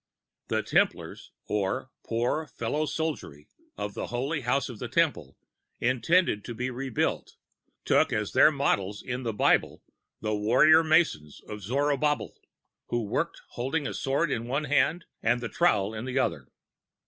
"The Templars, or Poor Fellow Soldiery of the Holy House of the Temple intended to be re built, took as their models, in the Bible, the Warrior Masons of Zorobabel, who worked, holding the sword in one hand and the trowel in the other.